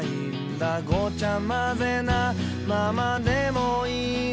「ごちゃ混ぜなままでもいいぜ」